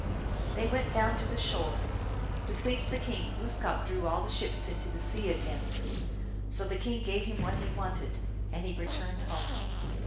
They went down to the shore ; to please the king Glooskap drew all the ships into the sea again. So the king gave him what he wanted, and he returned home.